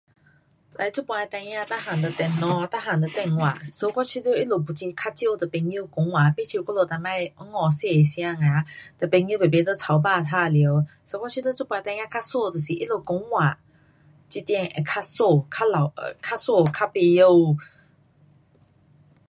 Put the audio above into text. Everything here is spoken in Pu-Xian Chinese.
like 这时的孩儿全部都电脑，全部都电话 so 我觉得他们比较少跟朋友讲话。不想我们以前小的时候啊跟朋友一起在草芭玩耍。so 我觉得这时孩儿，就是他们讲话这点会较输，较老 um 较不会。